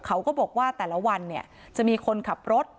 เขาก็บอกว่าแต่ละวันเนี่ยจะมีคนขับรถ